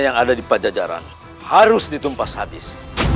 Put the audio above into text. yang ada di pajajaran harus ditumpas habis